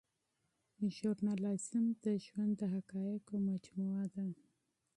ژورنالیزم د ژوند د حقایقو مجموعه ده.